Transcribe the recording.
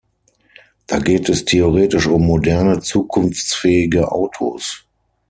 Da geht es theoretisch um moderne, zukunftsfähige Autos.